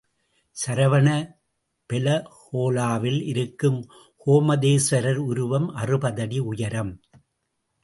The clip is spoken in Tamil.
சரவண பெலகோலாவில் இருக்கும் கோமதேஸ்வரர் உருவம் அறுபது அடி உயரம்.